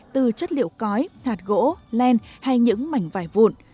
từ chất liệu cói hạt gỗ len hay những mảnh vải vụn